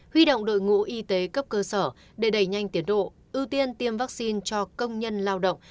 huy động đội ngũ y tế cấp cơ sở để đẩy nhanh tiến độ ưu tiên tiêm vaccine cho công nhân lao động